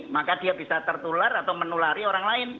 maka dia bisa tertular atau menulari orang lain